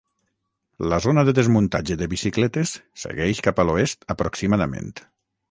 La zona de desmuntatge de bicicletes segueix cap a l'oest aproximadament.